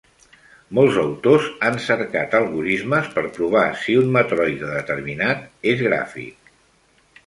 Molts autors han cercat algorismes per provar si un matroide determinat és gràfic.